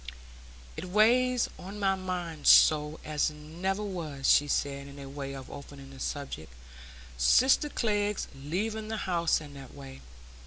"It weighs on my mind so as never was," she said, by way of opening the subject, "sister Glegg's leaving the house in that way.